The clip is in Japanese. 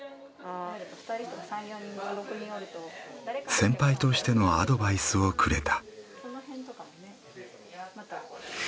先輩としてのアドバイスをくれた。